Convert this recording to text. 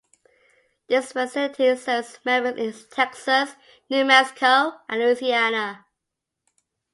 This facility serves members in Texas, New Mexico, and Louisiana.